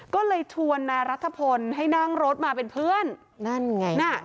ก็เลยชวนนายรัฐพลให้นั่งรถมาเป็นเพื่อนนั่นไงน่ะ